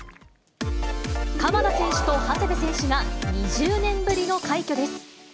鎌田選手と長谷部選手が２０年ぶりの快挙です。